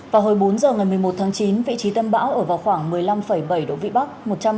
vào hồi bốn giờ ngày một mươi một tháng chín vị trí tâm bão ở vào khoảng một mươi năm bảy độ vĩ bắc